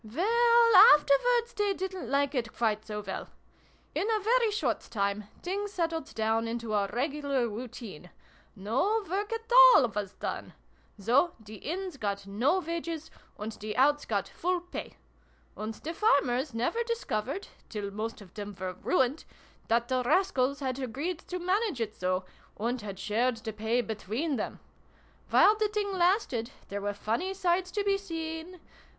"Well, afterwards they didn't like it quite so well. In a very short time, things settled down into a regular routine. No work at all was done. So the ' Ins ' got no wages, and the ' Outs ' got full pay. And the farmers never discovered, till most of them were ruined, that the rascals had agreed to manage it so, and had shared the pay between them ! xin] WHAT TOTTLES MEANT. 207 While the thing lasted, there were funny sights to be seen